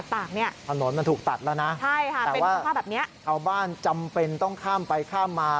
ถ้าว่าชาวบ้านจำเป็นต้องข้ามไปข้ามมา